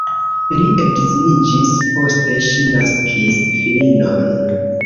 Li edziniĝis, poste ŝi naskis filinon.